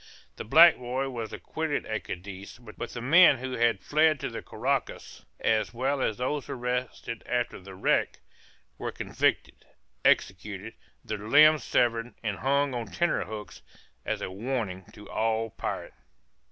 The black boy was acquitted at Cadiz, but the men who had fled to the Carraccas, as well as those arrested after the wreck, were convicted, executed, their limbs severed, and hung on tenter hooks, as a warning to all pirates.